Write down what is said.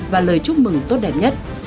và lời chúc mừng tốt đẹp nhất